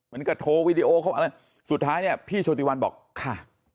มันก็โทรวิดีโอเข้าไปแล้วสุดท้ายนี่พี่โฉดิวันบอกค่ะ